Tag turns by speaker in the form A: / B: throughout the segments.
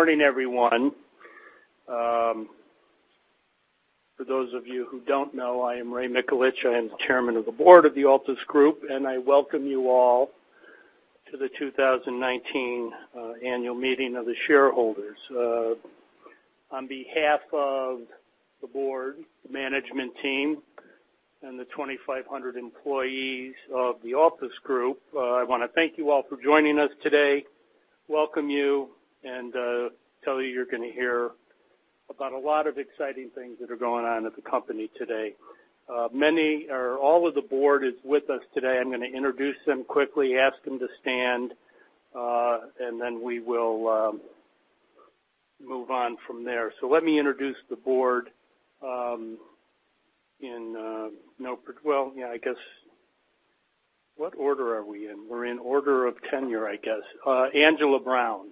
A: Morning, everyone. For those of you who don't know, I am Raymond Mikulich. I am the Chairman of the Board of the Altus Group, I welcome you all to the 2019 annual meeting of the shareholders. On behalf of the board, management team, and the 2,500 employees of the Altus Group, I wanna thank you all for joining us today, welcome you, and tell you you're gonna hear about a lot of exciting things that are going on at the company today. Many or all of the board is with us today. I'm gonna introduce them quickly, ask them to stand, then we will move on from there. Let me introduce the board, Well, yeah, I guess What order are we in? We're in order of tenure, I guess. Angela Brown,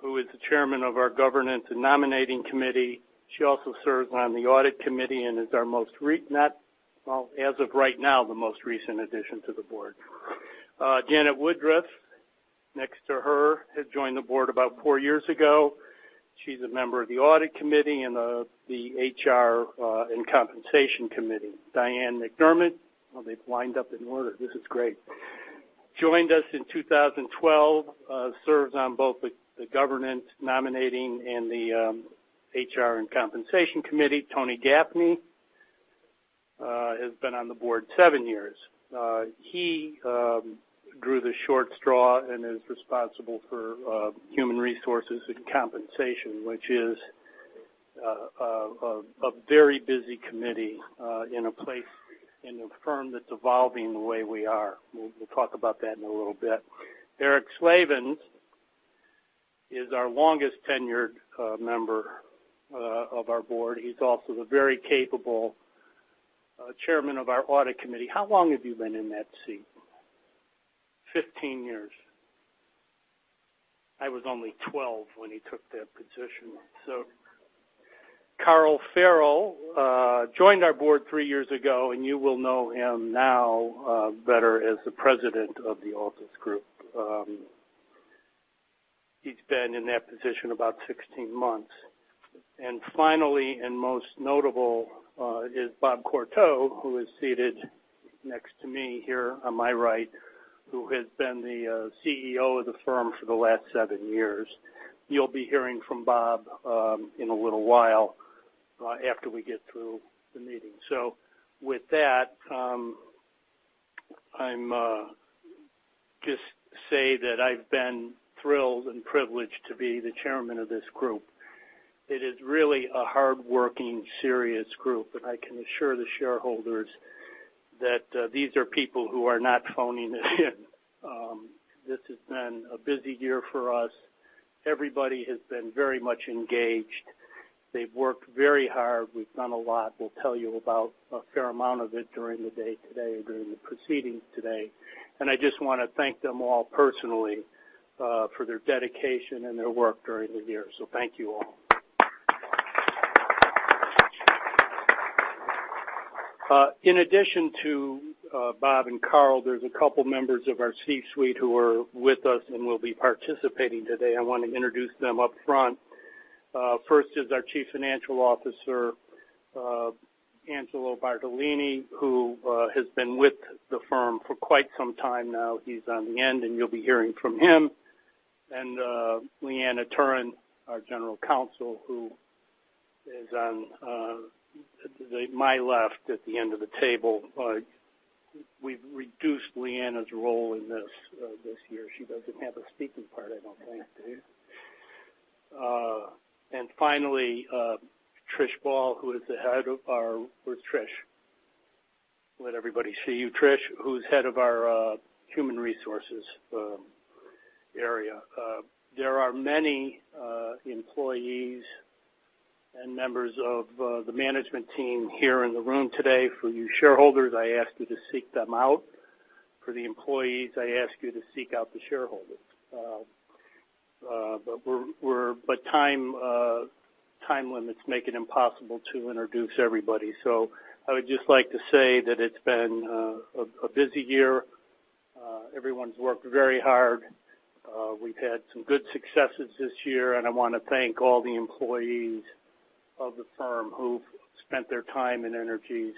A: who is the Chairman of our Governance and Nominating Committee. She also serves on the Audit Committee and is the most recent addition to the board. Janet Woodruff, next to her, has joined the board about four years ago. She's a member of the Audit Committee and the HR and Compensation Committee. Diane MacDiarmid, well, they've lined up in order. This is great. Joined us in 2012. Serves on both the Governance Nominating and the HR and Compensation Committee. Anthony Gaffney has been on the board seven years. He drew the short straw and is responsible for Human Resources and Compensation, which is a very busy committee in a place, in a firm that's evolving the way we are. We'll talk about that in a little bit. Eric Slavens is our longest tenured member of our board. He's also the very capable Chairman of our audit committee. How long have you been in that seat?
B: 15 years. I was only 12 when he took that position.
A: Carl Farrell joined our board three years ago, and you will know him now better as the President of the Altus Group. He's been in that position about 16 months. And finally, and most notable, is Bob Courteau, who is seated next to me here on my right, who has been the CEO of the firm for the last seven years. You'll be hearing from Bob in a little while after we get through the meeting. With that, I just say that I've been thrilled and privileged to be the Chairman of this group. It is really a hardworking, serious group, and I can assure the shareholders that these are people who are not phoning it in. This has been a busy year for us. Everybody has been very much engaged. They've worked very hard. We've done a lot. We'll tell you about a fair amount of it during the day today, during the proceedings today. I just wanna thank them all personally for their dedication and their work during the year. Thank you all. In addition to Bob and Carl, there's a couple members of our C-suite who are with us and will be participating today. I want to introduce them upfront. First is our Chief Financial Officer, Angelo Bartolini, who has been with the firm for quite some time now. He's on the end, and you'll be hearing from him. Leanne Ettore, our General Counsel, who is on my left at the end of the table. We've reduced Leanne's role in this this year. She doesn't have a speaking part, I don't think, do you? Finally, Trish Ball, who is the head of our Where's Trish? Let everybody see you, Trish, who's head of our human resources area. There are many employees and members of the management team here in the room today. For you shareholders, I ask you to seek them out. For the employees, I ask you to seek out the shareholders. Time limits make it impossible to introduce everybody. I would just like to say that it's been a busy year. Everyone's worked very hard. We've had some good successes this year, and I wanna thank all the employees of the firm who've spent their time and energies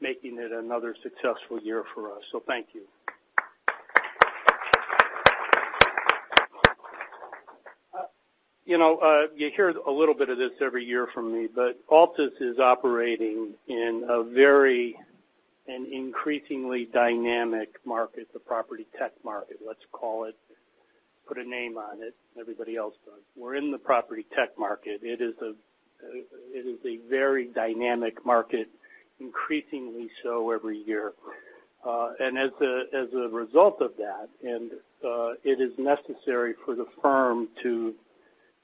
A: making it another successful year for us. Thank you. You know, you hear a little bit of this every year from me, Altus is operating in a very and increasingly dynamic market, the PropTech market, let's call it, put a name on it. Everybody else does. We're in the PropTech market. It is a very dynamic market, increasingly so every year. And as a result of that, it is necessary for the firm to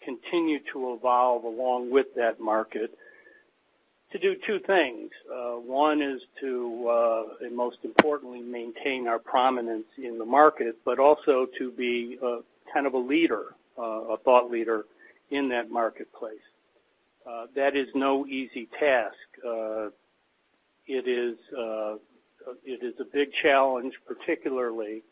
A: continue to evolve along with that market to do two things. One is to, and most importantly, maintain our prominence in the market, but also to be a kind of a leader, a thought leader in that marketplace. That is no easy task. It is, it is a big challenge, particularly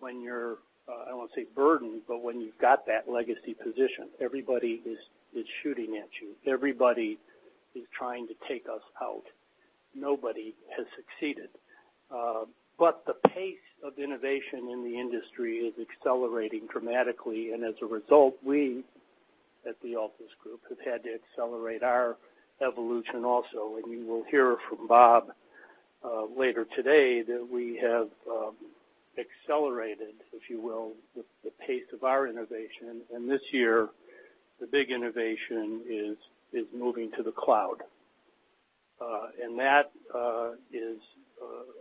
A: when you're, I don't want to say burdened, but when you've got that legacy position, everybody is shooting at you. Everybody is trying to take us out. Nobody has succeeded. The pace of innovation in the industry is accelerating dramatically, and as a result, we at Altus Group have had to accelerate our evolution also. You will hear from Bob later today that we have accelerated, if you will, the pace of our innovation. This year, the big innovation is moving to the cloud. That is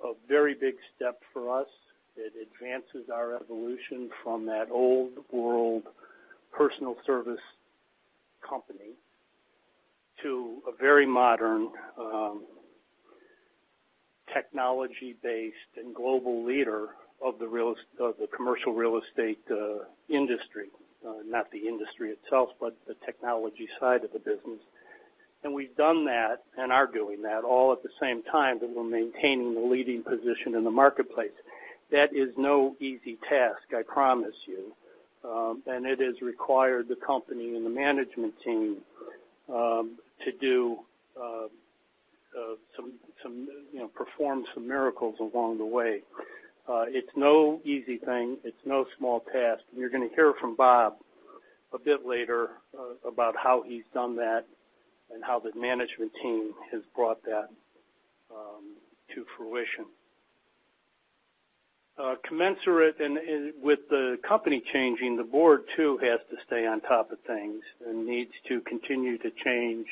A: a very big step for us. It advances our evolution from that old world personal service company to a very modern, technology-based and global leader of the commercial real estate industry. Not the industry itself, but the technology side of the business. We've done that and are doing that all at the same time that we're maintaining the leading position in the marketplace. That is no easy task, I promise you. It has required the company and the management team to do some, you know, perform some miracles along the way. It's no easy thing. It's no small task. You're gonna hear from Bob a bit later about how he's done that and how the management team has brought that to fruition. Commensurate and with the company changing, the board too has to stay on top of things and needs to continue to change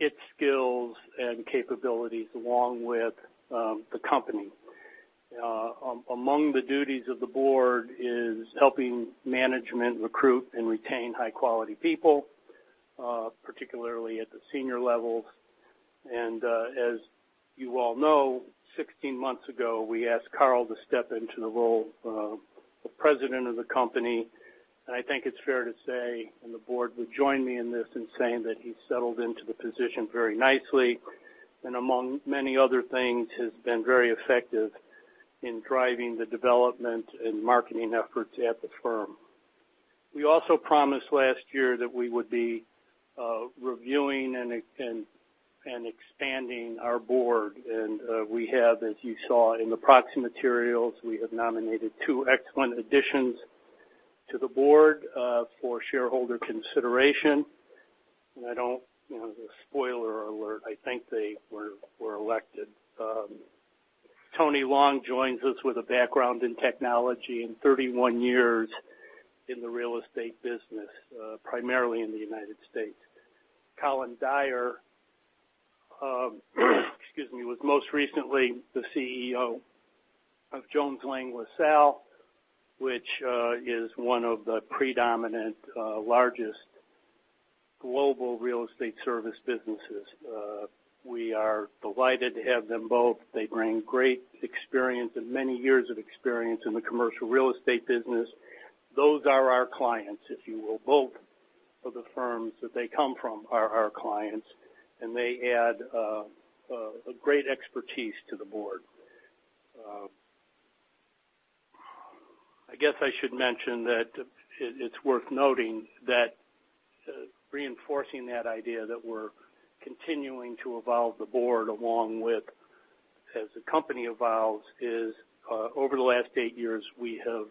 A: its skills and capabilities along with the company. Among the duties of the board is helping management recruit and retain high-quality people, particularly at the senior levels. As you all know, 16 months ago, we asked Carl to step into the role of the president of the company. I think it's fair to say, and the board would join me in this, in saying that he settled into the position very nicely, and among many other things, has been very effective in driving the development and marketing efforts at the firm. We also promised last year that we would be reviewing and expanding our board. We have, as you saw in the proxy materials, we have nominated two excellent additions to the board for shareholder consideration. I don't, you know, the spoiler alert, I think they were elected. Anthony Long joins us with a background in technology and 31 years in the real estate business primarily in the United States. Colin Dyer, excuse me, was most recently the CEO of Jones Lang LaSalle, which is one of the predominant, largest global real estate service businesses. We are delighted to have them both. They bring great experience and many years of experience in the commercial real estate business. Those are our clients, if you will. Both of the firms that they come from are our clients, and they add a great expertise to the board. I guess I should mention that it's worth noting that reinforcing that idea that we're continuing to evolve the board along with as the company evolves is over the last eight years, we have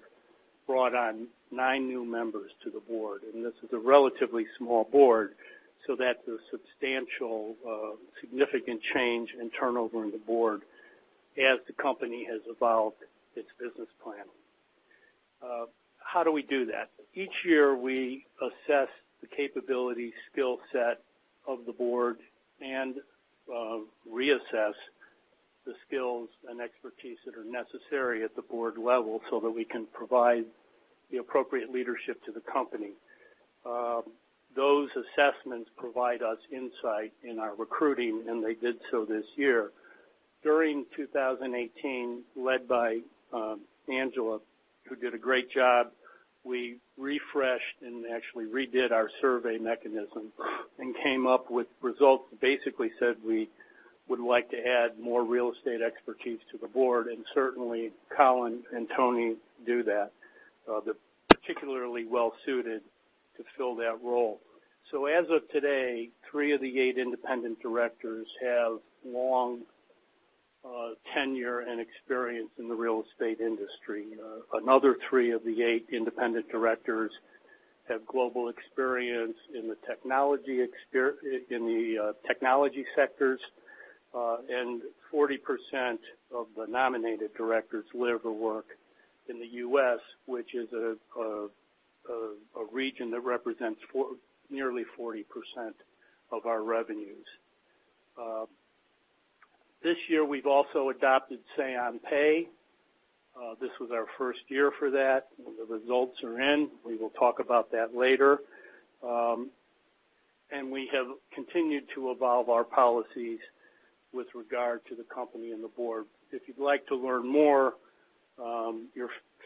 A: brought on nine new members to the board. This is a relatively small board, so that's a substantial, significant change and turnover in the board as the company has evolved its business plan. How do we do that? Each year, we assess the capability skill set of the board and reassess the skills and expertise that are necessary at the board level so that we can provide the appropriate leadership to the company. Those assessments provide us insight in our recruiting, they did so this year. During 2018, led by Angela, who did a great job, we refreshed and actually redid our survey mechanism and came up with results that basically said we would like to add more real estate expertise to the board. Certainly, Colin and Tony do that. They're particularly well-suited to fill that role. As of today, three of the eight independent directors have long tenure and experience in the real estate industry. Another three of the eight independent directors have global experience in the technology sectors. 40% of the nominated directors live or work in the U.S., which is a region that represents nearly 40% of our revenues. This year, we've also adopted Say on Pay. This was our first year for that, and the results are in. We will talk about that later. We have continued to evolve our policies with regard to the company and the board. If you'd like to learn more,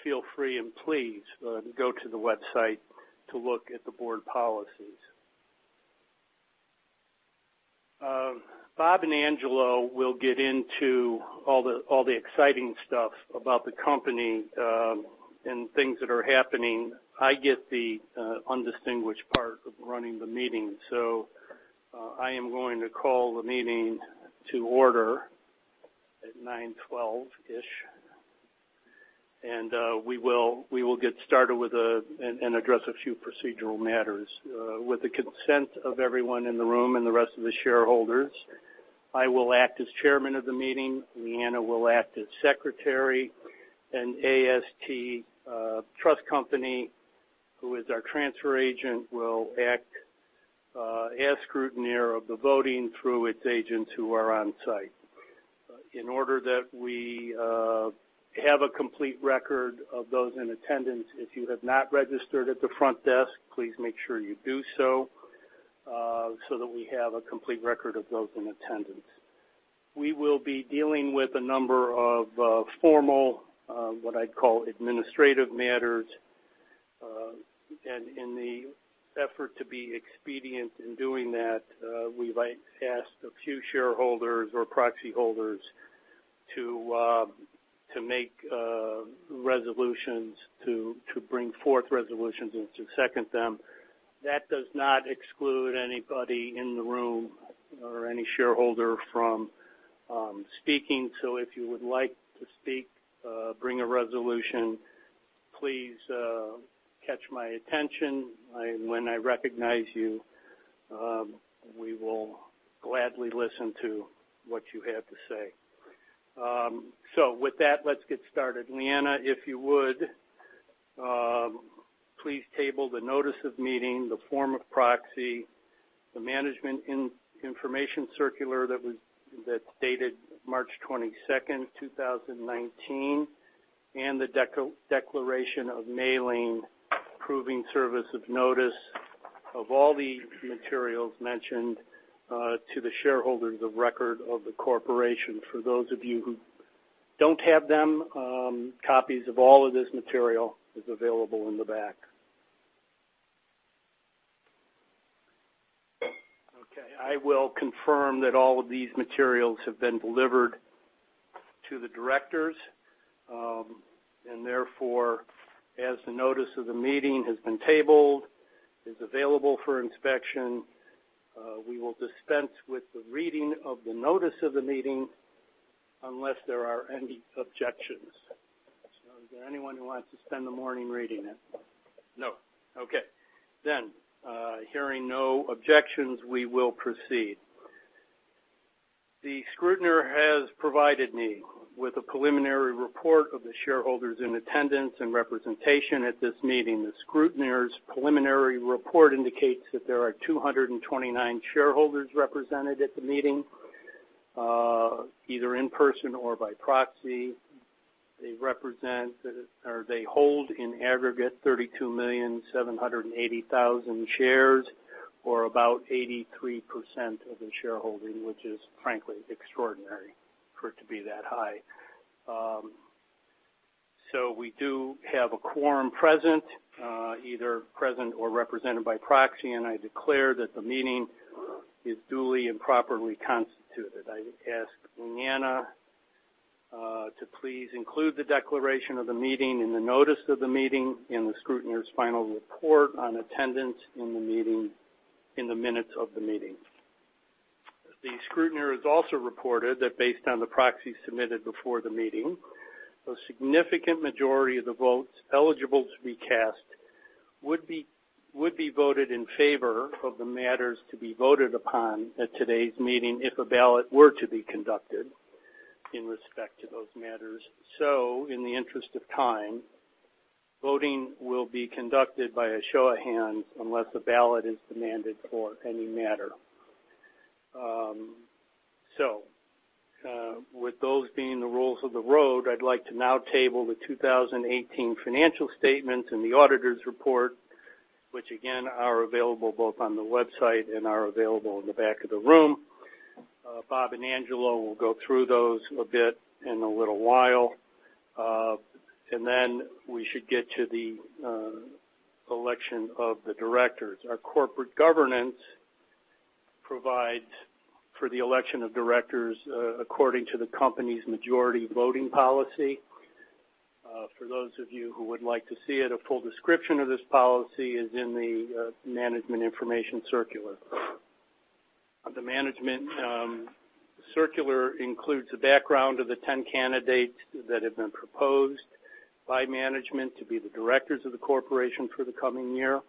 A: feel free, and please, go to the website to look at the board policies. Bob and Angelo will get into all the, all the exciting stuff about the company, and things that are happening. I get the undistinguished part of running the meeting, so I am going to call the meeting to order at 9:12-ish. We will get started with and address a few procedural matters. With the consent of everyone in the room and the rest of the shareholders, I will act as chairman of the meeting. Leanne will act as secretary, and AST Trust Company, who is our transfer agent, will act as scrutineer of the voting through its agents who are on site. In order that we have a complete record of those in attendance, if you have not registered at the front desk, please make sure you do so that we have a complete record of those in attendance. We will be dealing with a number of formal, what I'd call administrative matters. In the effort to be expedient in doing that, we've, like, asked a few shareholders or proxy holders to make resolutions to bring forth resolutions and to second them. That does not exclude anybody in the room or any shareholder from speaking. If you would like to speak, bring a resolution, please, catch my attention. When I recognize you, we will gladly listen to what you have to say. With that, let's get started. Leanne, if you would, please table the notice of meeting, the form of proxy, the management information circular that's dated March 22nd, 2019, and the declaration of mailing proving service of notice of all the materials mentioned to the shareholders of record of the corporation. For those of you who don't have them, copies of all of this material is available in the back. Okay. I will confirm that all of these materials have been delivered to the directors. Therefore, as the notice of the meeting has been tabled, is available for inspection, we will dispense with the reading of the notice of the meeting unless there are any objections. Is there anyone who wants to spend the morning reading it? No. Okay. Hearing no objections, we will proceed. The scrutineer has provided me with a preliminary report of the shareholders in attendance and representation at this meeting. The scrutineer's preliminary report indicates that there are 229 shareholders represented at the meeting, either in person or by proxy. They represent or they hold in aggregate 32,780,000 shares, or about 83% of the shareholding, which is frankly extraordinary for it to be that high. We do have a quorum present, either present or represented by proxy, and I declare that the meeting is duly and properly constituted. I ask Leanne to please include the declaration of the meeting and the notice of the meeting and the scrutineer's final report on attendance in the meeting, in the minutes of the meeting. The scrutineer has also reported that based on the proxies submitted before the meeting, a significant majority of the votes eligible to be cast would be voted in favor of the matters to be voted upon at today's meeting if a ballot were to be conducted in respect to those matters. In the interest of time, voting will be conducted by a show of hands unless a ballot is demanded for any matter. With those being the rules of the road, I'd like to now table the 2018 financial statements and the auditor's report, which again are available both on the website and are available in the back of the room. Bob and Angelo will go through those a bit in a little while. Then we should get to the election of the directors. Our corporate governance provides for the election of directors, according to the company's majority voting policy. For those of you who would like to see it, a full description of this policy is in the management information circular. The management circular includes the background of the 10 candidates that have been proposed by management to be the directors of the corporation for the coming year.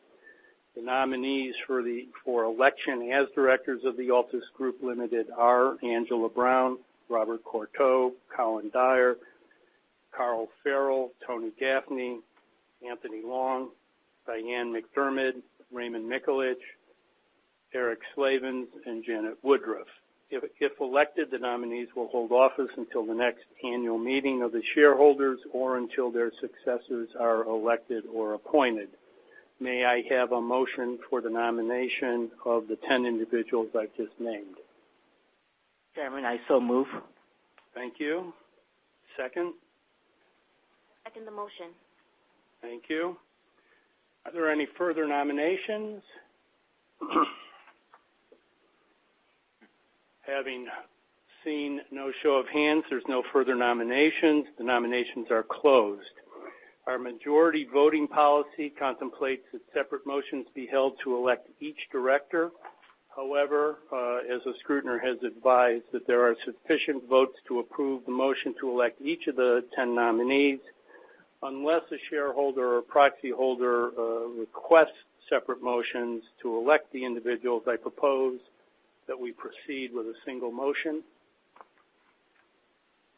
A: The nominees for election as directors of Altus Group Limited are Angela Brown, Robert Courteau, Colin Dyer, Carl Farrell, Tony Gaffney, Anthony Long, Diane MacDiarmid, Raymond Mikulich, Eric Slavens, and Janet Woodruff. If elected, the nominees will hold office until the next annual meeting of the shareholders or until their successors are elected or appointed. May I have a motion for the nomination of the 10 individuals I've just named?
C: Chairman, I so move.
A: Thank you. Second?
D: Second the motion.
A: Thank you. Are there any further nominations? Having seen no show of hands, there is no further nominations. The nominations are closed. Our majority voting policy contemplates that separate motions be held to elect each director. However, as a scrutineer has advised that there are sufficient votes to approve the motion to elect each of the 10 nominees. Unless a shareholder or proxy holder requests separate motions to elect the individuals, I propose that we proceed with a single motion.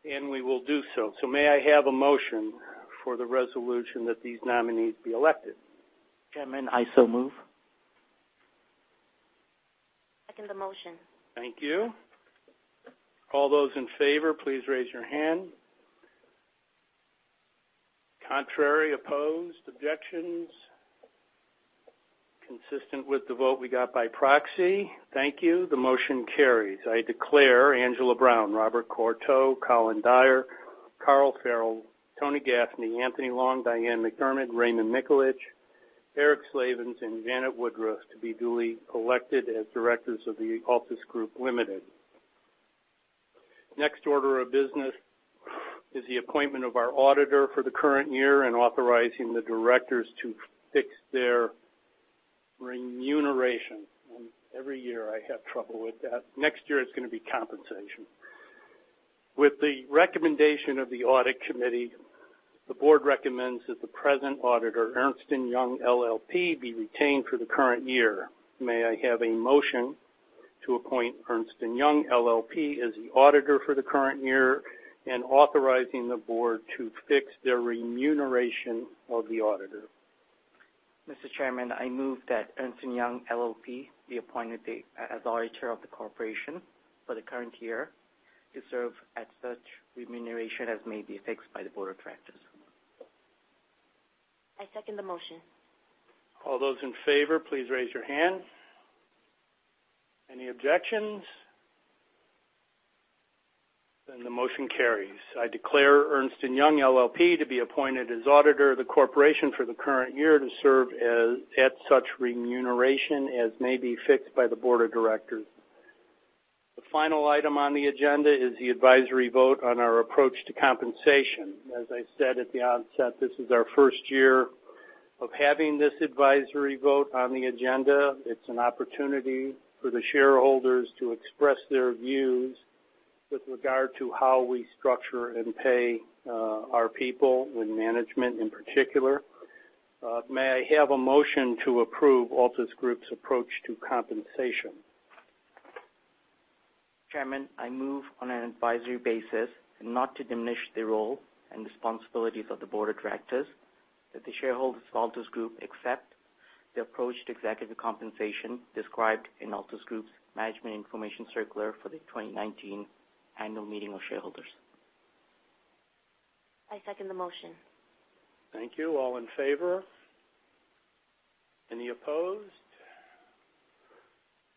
A: We will do so. May I have a motion for the resolution that these nominees be elected?
C: Chairman, I so move.
D: Second the motion.
A: Thank you. All those in favor, please raise your hand. Contrary? Opposed? Objections? Consistent with the vote we got by proxy. Thank you. The motion carries. I declare Angela Brown, Robert Courteau, Colin Dyer, Carl Farrell, Anthony Gaffney, Anthony Long, Diane MacDiarmid, Raymond Mikulich, Eric Slavens, and Janet Woodruff to be duly elected as directors of the Altus Group Limited. Next order of business is the appointment of our auditor for the current year and authorizing the directors to fix their remuneration. Every year I have trouble with that. Next year, it's gonna be compensation. With the recommendation of the audit committee, the board recommends that the present auditor, Ernst & Young LLP, be retained for the current year. May I have a motion to appoint Ernst & Young LLP as the auditor for the current year and authorizing the board to fix the remuneration of the auditor?
C: Mr. Chairman, I move that Ernst & Young LLP be appointed as auditor of the corporation for the current year to serve at such remuneration as may be fixed by the board of directors.
D: I second the motion.
A: All those in favor, please raise your hand. Any objections? The motion carries. I declare Ernst & Young LLP to be appointed as auditor of the corporation for the current year to serve as, at such remuneration as may be fixed by the board of directors. The final item on the agenda is the advisory vote on our approach to compensation. As I said at the onset, this is our first year of having this advisory vote on the agenda. It's an opportunity for the shareholders to express their views with regard to how we structure and pay our people with management in particular. May I have a motion to approve Altus Group's approach to compensation?
C: Chairman, I move on an advisory basis and not to diminish the role and responsibilities of the board of directors, that the shareholders of Altus Group accept the approach to executive compensation described in Altus Group's Management Information Circular for the 2019 annual meeting of shareholders.
D: I second the motion.
A: Thank you. All in favor? Any opposed?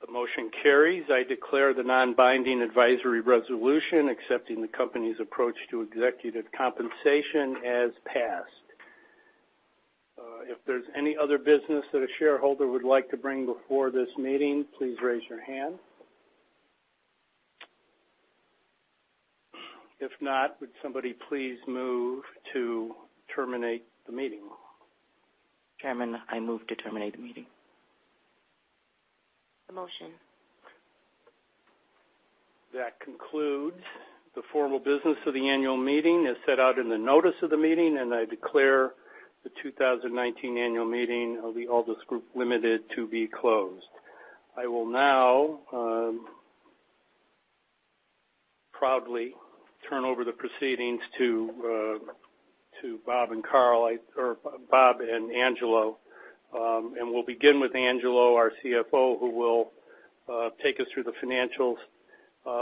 A: The motion carries. I declare the non-binding advisory resolution accepting the company's approach to executive compensation as passed. If there's any other business that a shareholder would like to bring before this meeting, please raise your hand. If not, would somebody please move to terminate the meeting?
C: Chairman, I move to terminate the meeting.
D: The motion.
A: That concludes the formal business of the annual meeting as set out in the notice of the meeting. I declare the 2019 annual meeting of the Altus Group Limited to be closed. I will now proudly turn over the proceedings to Bob and Angelo. We'll begin with Angelo, our CFO, who will take us through the financials.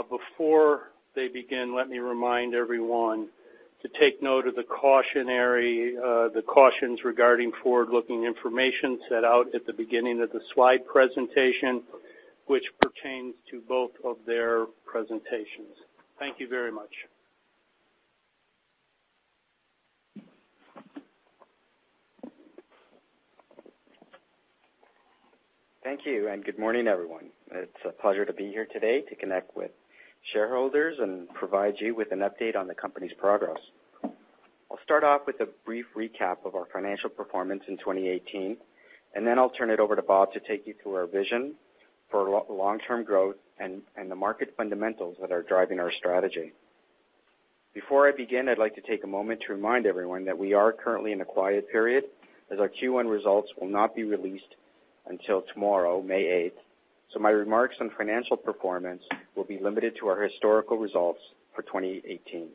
A: Before they begin, let me remind everyone to take note of the cautionary cautions regarding forward-looking information set out at the beginning of the slide presentation, which pertains to both of their presentations. Thank you very much.
E: Thank you. Good morning, everyone. It's a pleasure to be here today to connect with shareholders and provide you with an update on the company's progress. I'll start off with a brief recap of our financial performance in 2018, and then I'll turn it over to Bob to take you through our vision for long-term growth and the market fundamentals that are driving our strategy. Before I begin, I'd like to take a moment to remind everyone that we are currently in a quiet period, as our Q1 results will not be released until tomorrow, May eighth. My remarks on financial performance will be limited to our historical results for 2018.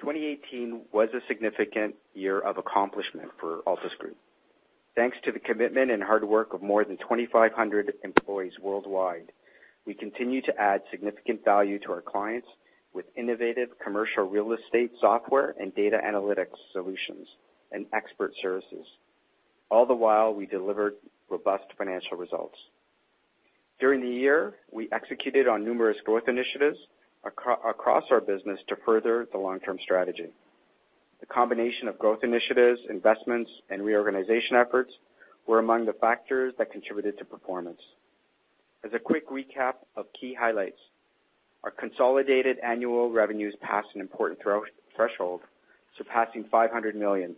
E: 2018 was a significant year of accomplishment for Altus Group. Thanks to the commitment and hard work of more than 2,500 employees worldwide, we continue to add significant value to our clients with innovative commercial real estate software and Altus Analytics solutions and expert services. All the while, we delivered robust financial results. During the year, we executed on numerous growth initiatives across our business to further the long-term strategy. The combination of growth initiatives, investments, and reorganization efforts were among the factors that contributed to performance. As a quick recap of key highlights, our consolidated annual revenues passed an important threshold, surpassing 500 million.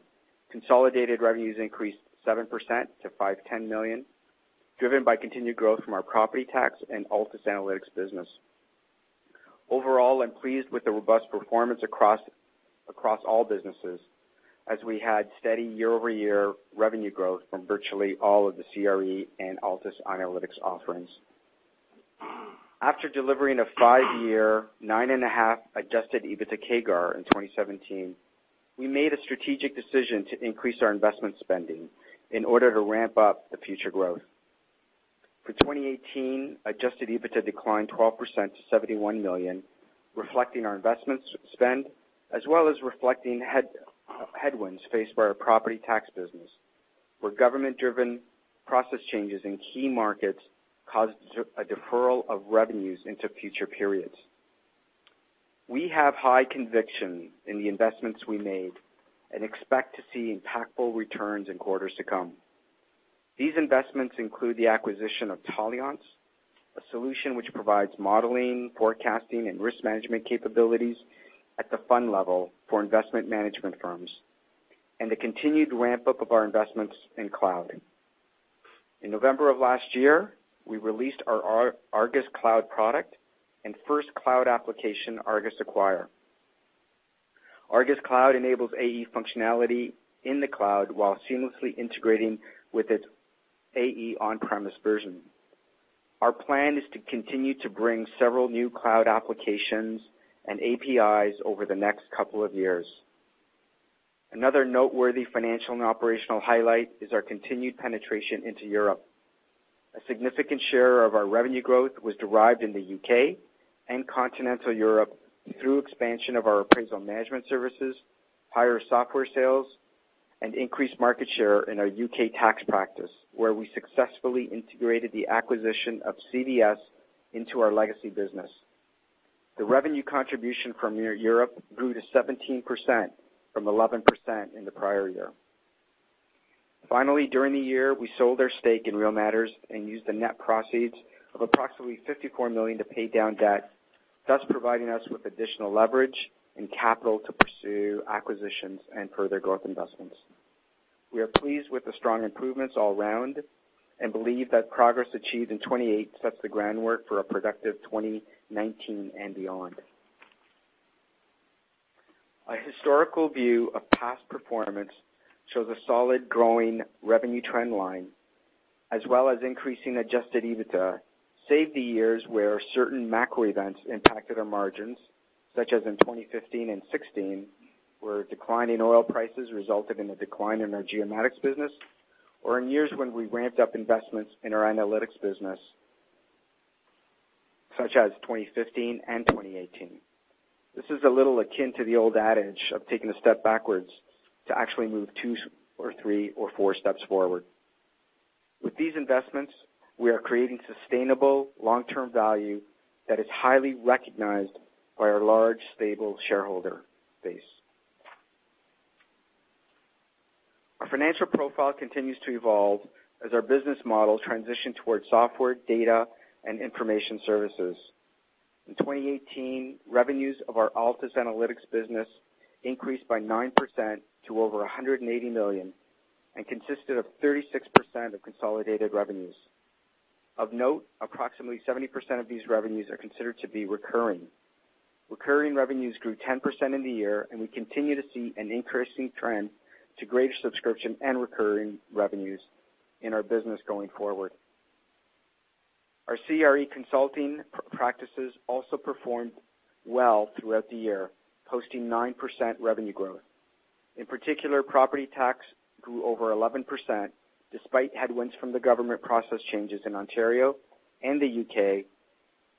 E: Consolidated revenues increased 7% to 510 million, driven by continued growth from our property tax and Altus Analytics business. Overall, I'm pleased with the robust performance across all businesses as we had steady year-over-year revenue growth from virtually all of the CRE and Altus Analytics offerings. After delivering a five-year, nine and a half adjusted EBITDA CAGR in 2017, we made a strategic decision to increase our investment spending in order to ramp up the future growth. For 2018, adjusted EBITDA declined 12% to 71 million, reflecting our investment spend, as well as reflecting headwinds faced by our property tax business, where government-driven process changes in key markets caused a deferral of revenues into future periods. We have high conviction in the investments we made and expect to see impactful returns in quarters to come. These investments include the acquisition of Taliance, a solution which provides modeling, forecasting, and risk management capabilities at the fund level for investment management firms, and the continued ramp-up of our investments in cloud. In November of last year, we released our ARGUS Cloud product and first cloud application, ARGUS Acquire. ARGUS Cloud enables AE functionality in the cloud while seamlessly integrating with its AE on-premise version. Our plan is to continue to bring several new cloud applications and APIs over the next couple of years. Another noteworthy financial and operational highlight is our continued penetration into Europe. A significant share of our revenue growth was derived in the U.K. and Continental Europe through expansion of our appraisal management services, higher software sales, and increased market share in our U.K. tax practice, where we successfully integrated the acquisition of CVS into our legacy business. The revenue contribution from near Europe grew to 17% from 11% in the prior year. Finally, during the year, we sold our stake in Real Matters and used the net proceeds of approximately 54 million to pay down debt, thus providing us with additional leverage and capital to pursue acquisitions and further growth investments. We are pleased with the strong improvements all round and believe that progress achieved in 2018 sets the groundwork for a productive 2019 and beyond. A historical view of past performance shows a solid growing revenue trend line, as well as increasing adjusted EBITDA, save the years where certain macro events impacted our margins, such as in 2015 and 2016, where a decline in oil prices resulted in a decline in our Geomatics business, or in years when we ramped up investments in our Analytics business, such as 2015 and 2018. This is a little akin to the old adage of taking a step backwards to actually move two or three or four steps forward. With these investments, we are creating sustainable long-term value that is highly recognized by our large, stable shareholder base. Our financial profile continues to evolve as our business models transition towards software, data, and information services. In 2018, revenues of our Altus Analytics business increased by 9% to over 180 million and consisted of 36% of consolidated revenues. Of note, approximately 70% of these revenues are considered to be recurring. Recurring revenues grew 10% in the year, and we continue to see an increasing trend to greater subscription and recurring revenues in our business going forward. Our CRE consulting practices also performed well throughout the year, posting 9% revenue growth. In particular, property tax grew over 11% despite headwinds from the government process changes in Ontario and the U.K.,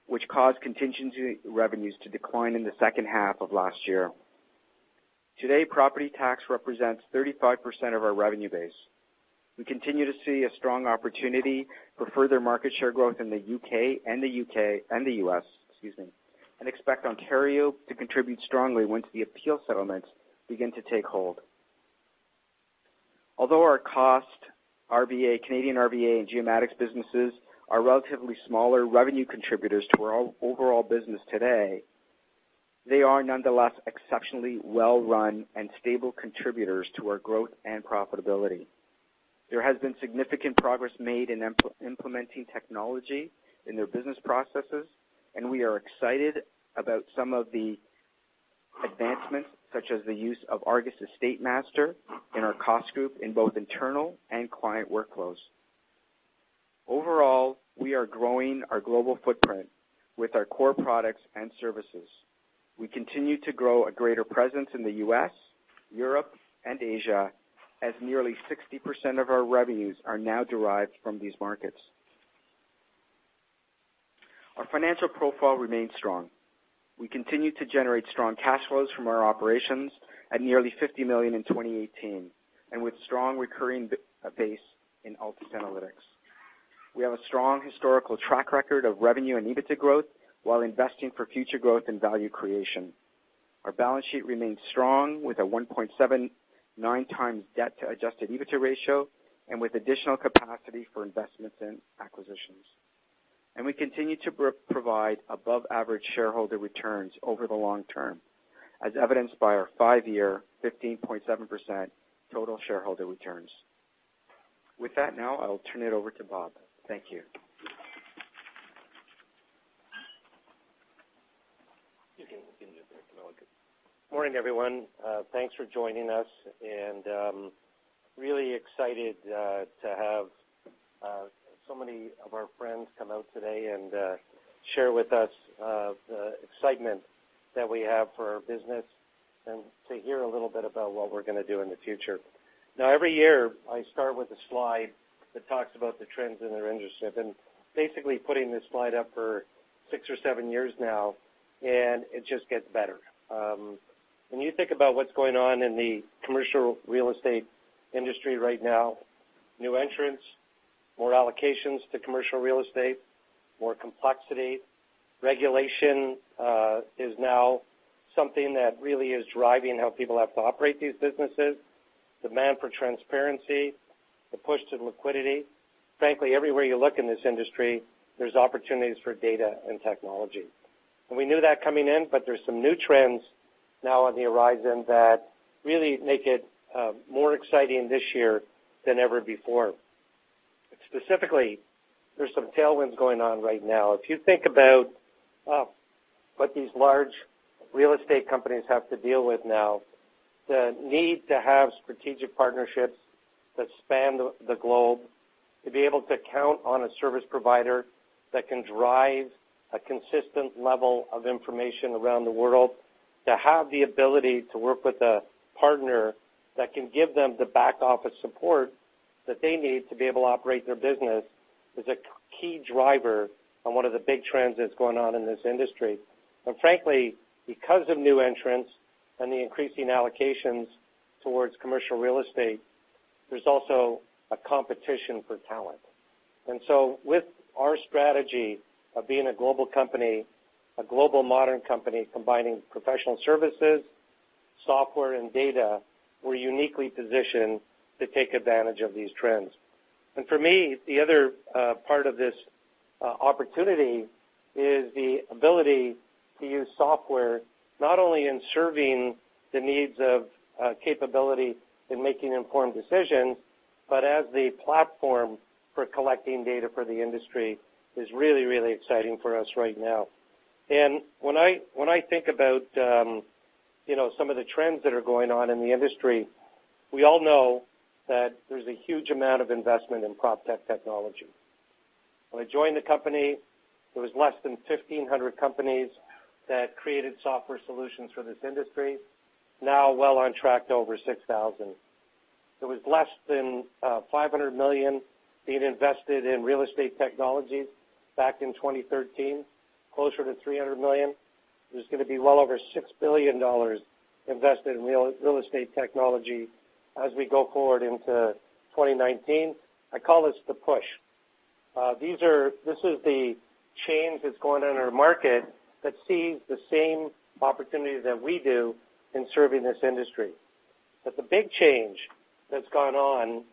E: which caused contingency revenues to decline in the H2 of last year. Today, property tax represents 35% of our revenue base. We continue to see a strong opportunity for further market share growth in the U.K. and the U.S., excuse me, and expect Ontario to contribute strongly once the appeal settlements begin to take hold. Although our cost, RVA, Canadian RVA, and Geomatics businesses are relatively smaller revenue contributors to our overall business today, they are nonetheless exceptionally well-run and stable contributors to our growth and profitability. There has been significant progress made in implementing technology in their business processes, and we are excited about some of the advancements, such as the use of ARGUS EstateMaster in our cost group in both internal and client workflows. Overall, we are growing our global footprint with our core products and services. We continue to grow a greater presence in the U.S., Europe, and Asia, as nearly 60% of our revenues are now derived from these markets. Our financial profile remains strong. We continue to generate strong cash flows from our operations at nearly 50 million in 2018, with strong recurring base in Altus Analytics. We have a strong historical track record of revenue and EBITDA growth while investing for future growth and value creation. Our balance sheet remains strong with a 1.79x debt to adjusted EBITDA ratio and with additional capacity for investments and acquisitions. We continue to provide above average shareholder returns over the long term, as evidenced by our five-year 15.7% total shareholder returns. With that, now I will turn it over to Bob. Thank you.
F: [inaudible] Morning, everyone. Thanks for joining us. Really excited to have so many of our friends come out today and share with us the excitement that we have for our business and to hear a little bit about what we're gonna do in the future. Now, every year, I start with a slide that talks about the trends in our industry. I've been basically putting this slide up for six or seven years now, and it just gets better. When you think about what's going on in the commercial real estate industry right now, new entrants, more allocations to commercial real estate, more complexity. Regulation is now something that really is driving how people have to operate these businesses. Demand for transparency, the push to liquidity. Frankly, everywhere you look in this industry, there's opportunities for data and technology. We knew that coming in, but there's some new trends now on the horizon that really make it more exciting this year than ever before. Specifically, there's some tailwinds going on right now. If you think about what these large real estate companies have to deal with now, the need to have strategic partnerships that span the globe, to be able to count on a service provider that can drive a consistent level of information around the world, to have the ability to work with a partner that can give them the back office support that they need to be able to operate their business is a key driver on one of the big trends that's going on in this industry. Frankly, because of new entrants and the increasing allocations towards commercial real estate, there's also a competition for talent. With our strategy of being a global company, a global modern company combining professional services, software and data, we're uniquely positioned to take advantage of these trends. For me, the other part of this opportunity is the ability to use software not only in serving the needs of capability in making informed decisions, but as the platform for collecting data for the industry is really, really exciting for us right now. When I think about, you know, some of the trends that are going on in the industry, we all know that there's a huge amount of investment in PropTech technology. When I joined the company, there was less than 1,500 companies that created software solutions for this industry. Now well on track to over 6,000. There was less than 500 million being invested in real estate technology back in 2013, closer to 300 million. There's gonna be well over 6 billion dollars invested in real estate technology as we go forward into 2019. I call this the push. This is the change that's going on in our market that sees the same opportunities that we do in serving this industry. The big change that's gone on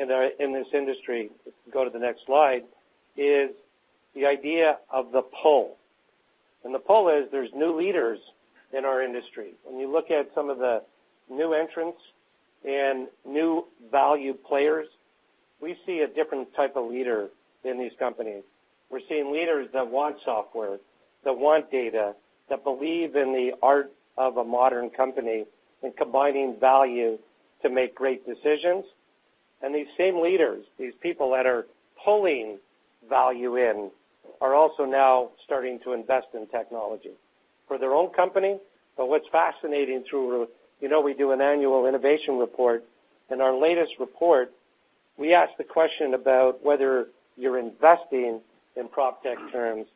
F: in this industry, if we go to the next slide, is the idea of the pull. The pull is there's new leaders in our industry. When you look at some of the new entrants and new value players, we see a different type of leader in these companies. We're seeing leaders that want software, that want data, that believe in the art of a modern company and combining value to make great decisions. These same leaders, these people that are pulling value in, are also now starting to invest in technology for their own company. What's fascinating through, you know, we do an annual innovation report. In our latest report, we asked the question about whether you're investing in PropTech terms,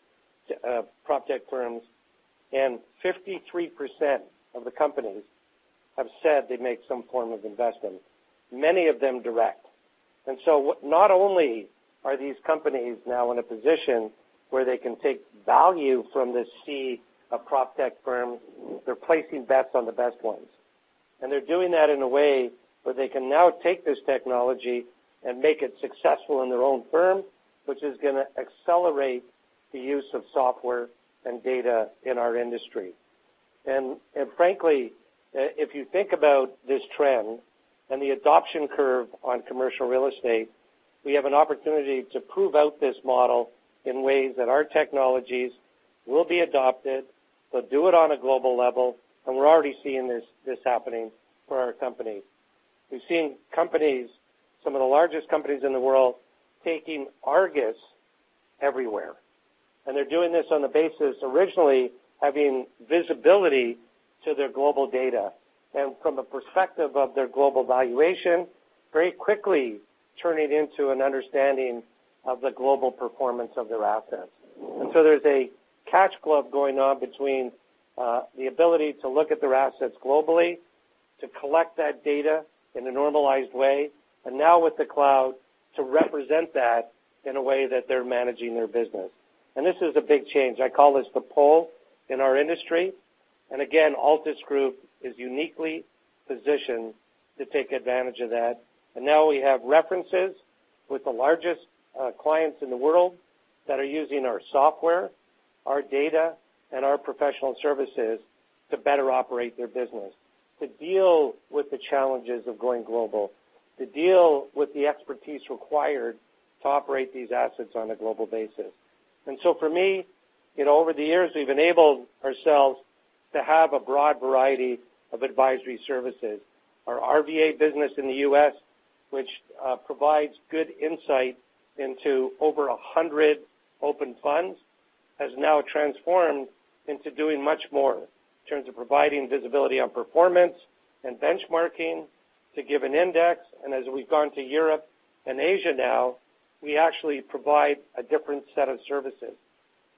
F: PropTech firms, 53% of the companies have said they make some form of investment, many of them direct. Not only are these companies now in a position where they can take value from this sea of PropTech firms, they're placing bets on the best ones. They're doing that in a way where they can now take this technology and make it successful in their own firm, which is gonna accelerate the use of software and data in our industry. Frankly, if you think about this trend and the adoption curve on commercial real estate, we have an opportunity to prove out this model in ways that our technologies will be adopted, but do it on a global level, and we're already seeing this happening for our company. We've seen companies, some of the largest companies in the world, taking ARGUS everywhere. They're doing this on the basis originally having visibility to their global data. From a perspective of their global valuation, very quickly turning into an understanding of the global performance of their assets. There's a catch globe going on between the ability to look at their assets globally, to collect that data in a normalized way, and now with the cloud to represent that in a way that they're managing their business. This is a big change. I call this the pull in our industry. Again, Altus Group is uniquely positioned to take advantage of that. Now we have references with the largest clients in the world that are using our software, our data, and our professional services to better operate their business, to deal with the challenges of going global, to deal with the expertise required to operate these assets on a global basis. For me, you know, over the years, we've enabled ourselves to have a broad variety of advisory services. Our RVA business in the U.S., which provides good insight into over 100 open funds, has now transformed into doing much more in terms of providing visibility on performance and benchmarking to give an index. As we've gone to Europe and Asia now, we actually provide a different set of services.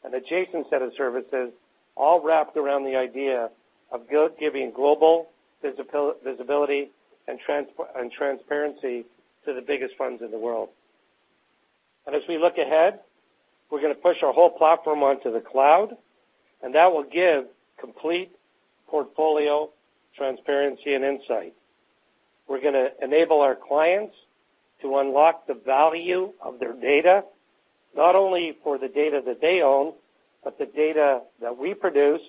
F: An adjacent set of services all wrapped around the idea of giving global visibility and transparency to the biggest funds in the world. As we look ahead, we're gonna push our whole platform onto the cloud, and that will give complete portfolio transparency and insight. We're gonna enable our clients to unlock the value of their data, not only for the data that they own, but the data that we produce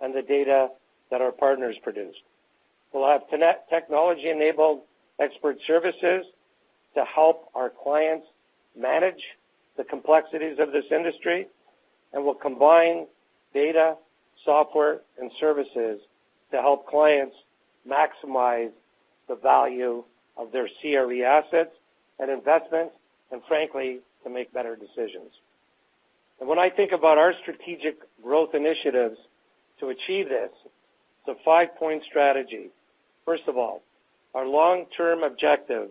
F: and the data that our partners produce. We'll have tenet technology-enabled expert services to help our clients manage the complexities of this industry. We'll combine data, software, and services to help clients maximize the value of their CRE assets and investments, frankly, to make better decisions. When I think about our strategic growth initiatives to achieve this, it's a five-point strategy. First of all, our long-term objective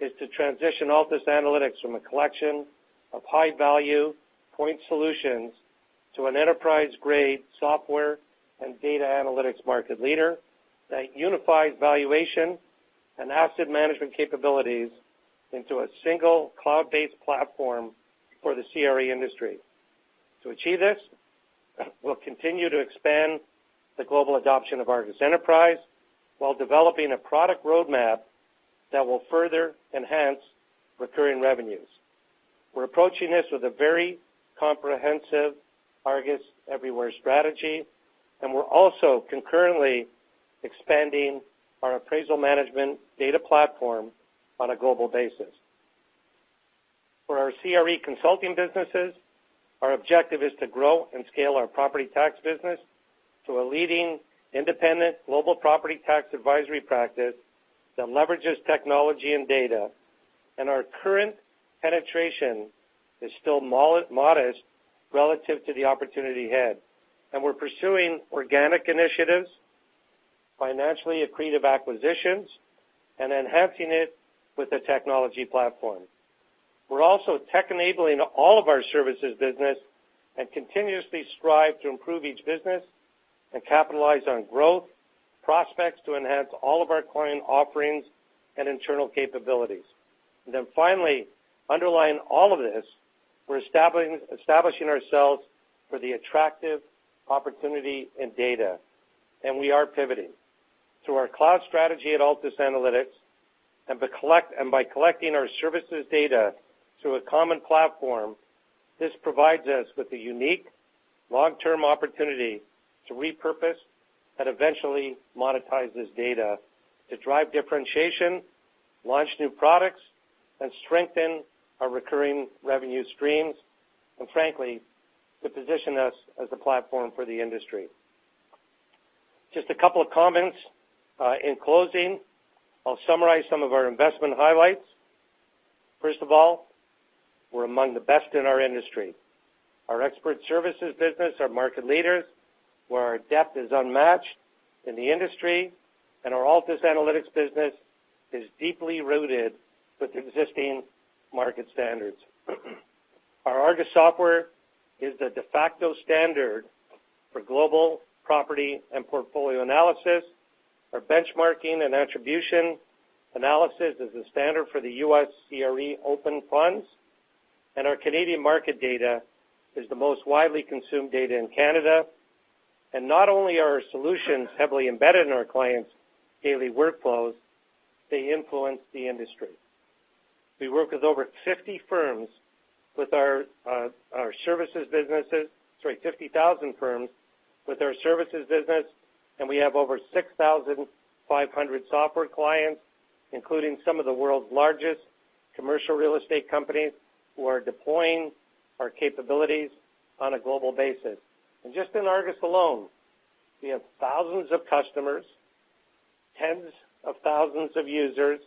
F: is to transition Altus Analytics from a collection of high-value point solutions to an enterprise-grade software and data analytics market leader that unifies valuation and asset management capabilities into a single cloud-based platform for the CRE industry. To achieve this, we'll continue to expand the global adoption of ARGUS Enterprise while developing a product roadmap that will further enhance recurring revenues. We're approaching this with a very comprehensive ARGUS everywhere strategy. We're also concurrently expanding our appraisal management data platform on a global basis. For our CRE consulting businesses, our objective is to grow and scale our property tax business to a leading independent global property tax advisory practice that leverages technology and data. Our current penetration is still modest relative to the opportunity ahead. We're pursuing organic initiatives, financially accretive acquisitions, and enhancing it with a technology platform. We're also tech-enabling all of our services business and continuously strive to improve each business and capitalize on growth prospects to enhance all of our client offerings and internal capabilities. Finally, underlying all of this, we're establishing ourselves for the attractive opportunity in data, and we are pivoting. Through our cloud strategy at Altus Analytics and by collecting our services data through a common platform, this provides us with a unique long-term opportunity to repurpose and eventually monetize this data to drive differentiation, launch new products, and strengthen our recurring revenue streams, and frankly, to position us as a platform for the industry. Just a couple of comments in closing. I'll summarize some of our investment highlights. First of all, we're among the best in our industry. Our expert services business are market leaders, where our depth is unmatched in the industry, and our Altus Analytics business is deeply rooted with existing market standards. Our ARGUS software is the de facto standard for global property and portfolio analysis. Our benchmarking and attribution analysis is the standard for the U.S. CRE open funds. Our Canadian market data is the most widely consumed data in Canada. Not only are our solutions heavily embedded in our clients' daily workflows, they influence the industry. We work with over 50,000 firms with our services business, and we have over 6,500 software clients, including some of the world's largest commercial real estate companies, who are deploying our capabilities on a global basis. Just in ARGUS alone, we have Tens of thousands of users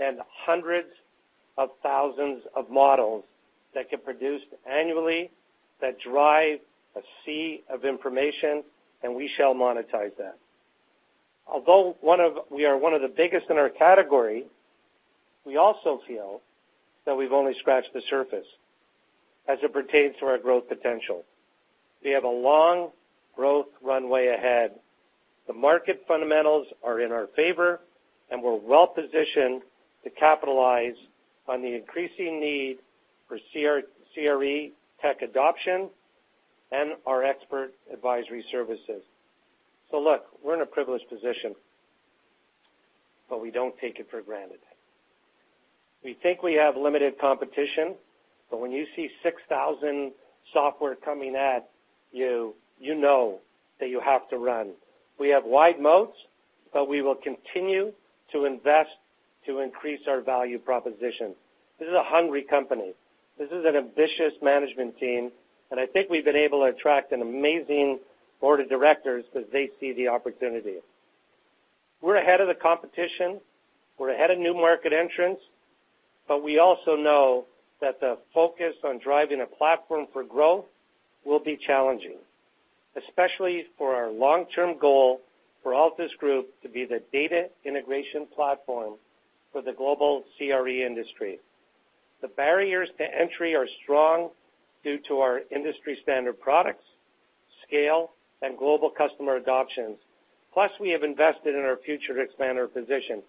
F: and hundreds of thousands of models that get produced annually that drive a sea of information, and we shall monetize that. Although we are one of the biggest in our category, we also feel that we've only scratched the surface as it pertains to our growth potential. We have a long growth runway ahead. The market fundamentals are in our favor, and we're well-positioned to capitalize on the increasing need for CRE tech adoption and our expert advisory services. Look, we're in a privileged position, but we don't take it for granted. We think we have limited competition, but when you see 6,000 software coming at you know that you have to run. We have wide moats, but we will continue to invest to increase our value proposition. This is a hungry company. This is an ambitious management team, and I think we've been able to attract an amazing board of directors because they see the opportunity. We're ahead of the competition, we're ahead of new market entrants, but we also know that the focus on driving a platform for growth will be challenging, especially for our long-term goal for Altus Group to be the data integration platform for the global CRE industry. The barriers to entry are strong due to our industry-standard products, scale, and global customer adoptions. We have invested in our future to expand our position.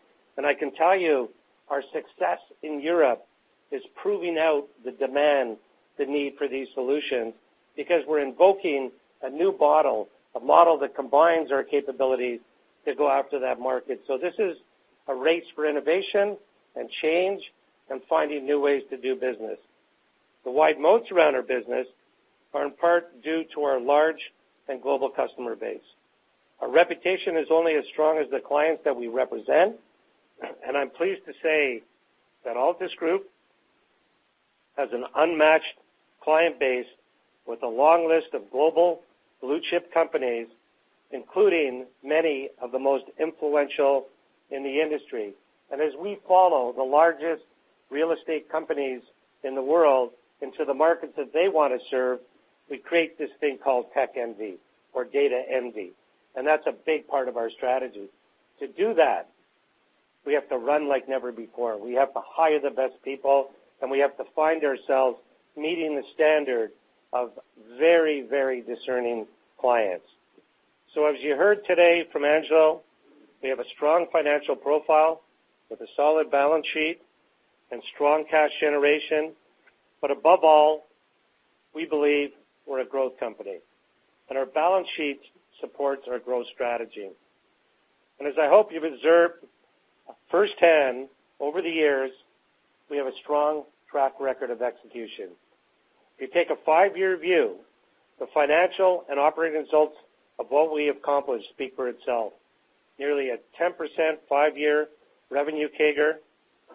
F: I can tell you our success in Europe is proving out the demand, the need for these solutions because we're invoking a new model, a model that combines our capabilities to go after that market. This is a race for innovation and change and finding new ways to do business. The wide moats around our business are in part due to our large and global customer base. Our reputation is only as strong as the clients that we represent. I'm pleased to say that Altus Group has an unmatched client base with a long list of global blue-chip companies, including many of the most influential in the industry. As we follow the largest real estate companies in the world into the markets that they wanna serve, we create this thing called tech envy or data envy. That's a big part of our strategy. To do that, we have to run like never before. We have to hire the best people, and we have to find ourselves meeting the standard of very, very discerning clients. As you heard today from Angelo, we have a strong financial profile with a solid balance sheet and strong cash generation. Above all, we believe we're a growth company, and our balance sheet supports our growth strategy. As I hope you've observed firsthand over the years, we have a strong track record of execution. If you take a five-year view, the financial and operating results of what we have accomplished speak for itself. Nearly a 10% five-year revenue CAGR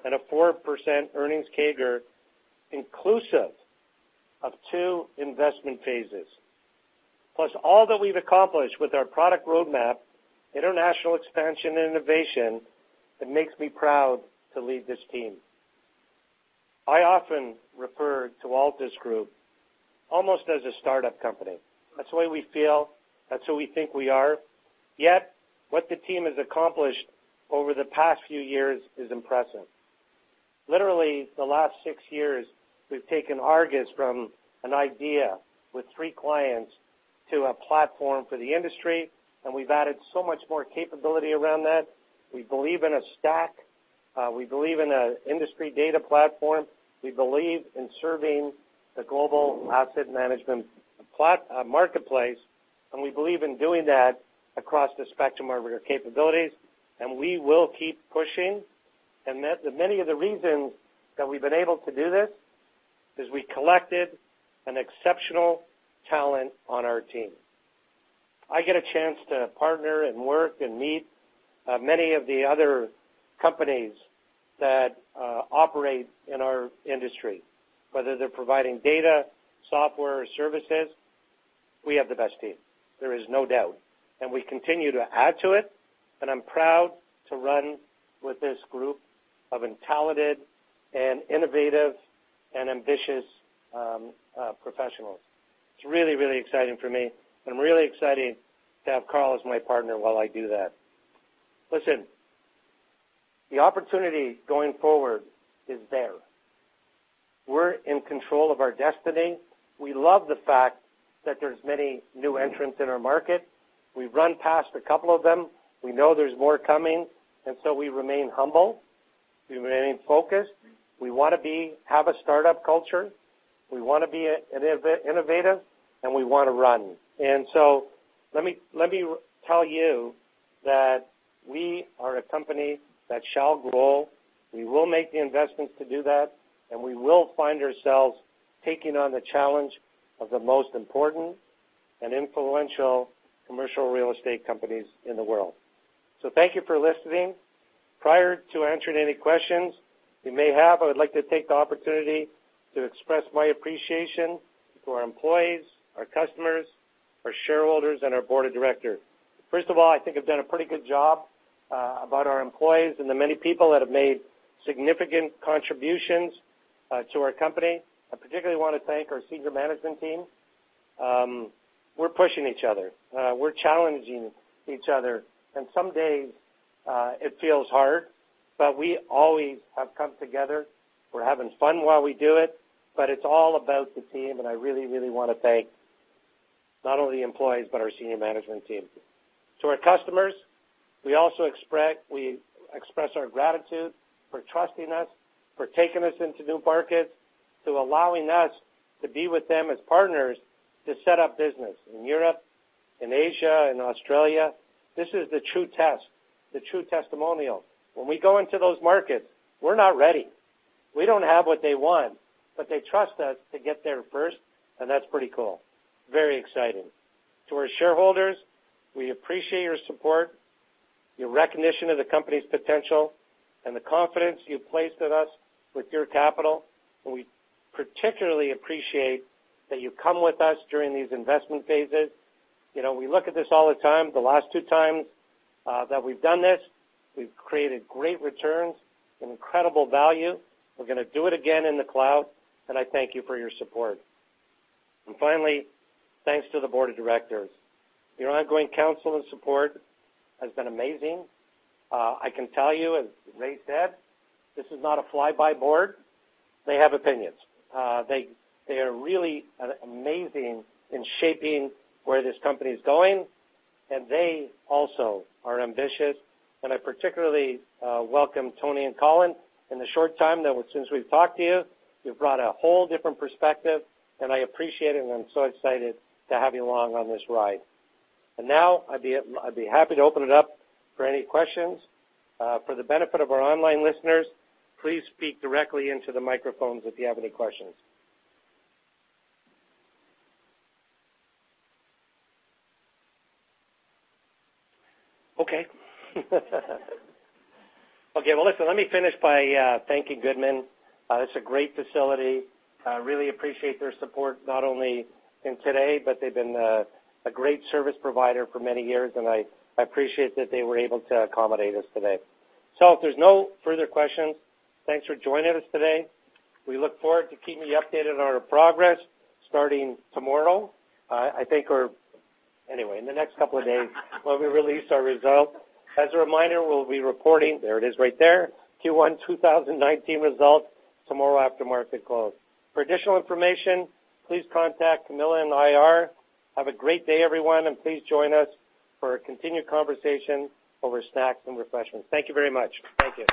F: and a 4% earnings CAGR inclusive of two investment phases. Plus all that we've accomplished with our product roadmap, international expansion, and innovation, it makes me proud to lead this team. I often refer to Altus Group almost as a startup company. That's the way we feel. That's who we think we are. Yet, what the team has accomplished over the past few years is impressive. Literally, the last six years, we've taken ARGUS from an idea with three clients to a platform for the industry, and we've added so much more capability around that. We believe in a stack, we believe in an industry data platform. We believe in serving the global asset management marketplace, we believe in doing that across the spectrum of our capabilities, we will keep pushing. The many of the reasons that we've been able to do this is we collected an exceptional talent on our team. I get a chance to partner and work and meet many of the other companies that operate in our industry, whether they're providing data, software, or services, we have the best team. There is no doubt. We continue to add to it, I'm proud to run with this group of talented and innovative and ambitious professionals. It's really exciting for me, really exciting to have Carl Farrell as my partner while I do that. Listen, the opportunity going forward is there. We're in control of our destiny. We love the fact that there's many new entrants in our market. We've run past a couple of them. We know there's more coming. We remain humble. We remain focused. We wanna have a startup culture. We wanna be innovative. We wanna run. Let me tell you that we are a company that shall grow. We will make the investments to do that. We will find ourselves taking on the challenge of the most important and influential commercial real estate companies in the world. Thank you for listening. Prior to answering any questions you may have, I would like to take the opportunity to express my appreciation to our employees, our customers, our shareholders, and our board of directors. First of all, I think I've done a pretty good job about our employees and the many people that have made significant contributions to our company. I particularly wanna thank our senior management team. We're pushing each other, we're challenging each other, and some days, it feels hard, but we always have come together. We're having fun while we do it, but it's all about the team, and I really, really wanna thank not only employees, but our senior management team. To our customers, we also express our gratitude for trusting us, for taking us into new markets, to allowing us to be with them as partners to set up business in Europe, in Asia, in Australia. This is the true test, the true testimonial. When we go into those markets, we're not ready. We don't have what they want. They trust us to get there first, and that's pretty cool. Very exciting. To our shareholders, we appreciate your support, your recognition of the company's potential, and the confidence you've placed in us with your capital. We particularly appreciate that you come with us during these investment phases. You know, we look at this all the time. The last 2x that we've done this, we've created great returns and incredible value. We're gonna do it again in the cloud. I thank you for your support. Finally, thanks to the board of directors. Your ongoing counsel and support has been amazing. I can tell you, as Ray said, this is not a flyby board. They have opinions. They are really amazing in shaping where this company is going. They also are ambitious. I particularly welcome Tony and Colin. In the short time that since we've talked to you've brought a whole different perspective, and I appreciate it, and I'm so excited to have you along on this ride. Now I'd be happy to open it up for any questions. For the benefit of our online listeners, please speak directly into the microphones if you have any questions. Okay. Okay. Well, listen, let me finish by thanking Goodman. It's a great facility. I really appreciate their support, not only in today, but they've been a great service provider for many years, and I appreciate that they were able to accommodate us today. If there's no further questions, thanks for joining us today. We look forward to keeping you updated on our progress starting tomorrow. Anyway, in the next couple of days when we release our results. As a reminder, we'll be reporting, there it is right there, Q1 2019 results tomorrow after market close. For additional information, please contact Camilla in IR. Have a great day, everyone. Please join us for a continued conversation over snacks and refreshments. Thank you very much. Thank you.